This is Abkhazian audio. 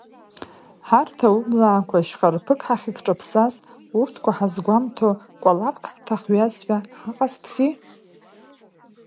Ҳарҭ аублаақәа шьхарԥык ҳахькҿаԥсаз, урҭқәа ҳазгәамҭо кәалаԥк ҳҭахҩазшәа ҳаҟазҭгьы?